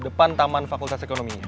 depan taman fakultas ekonominya